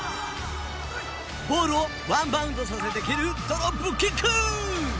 ボールをワンバウンドさせて蹴るドロップキック。